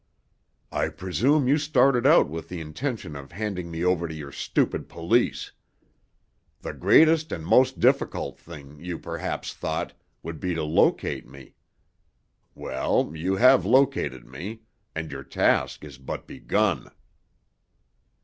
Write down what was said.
"I presume you started out with the intention of handing me over to your stupid police. The greatest and most difficult thing, you perhaps thought, would be to locate me. Well, you have located me—and your task is but begun."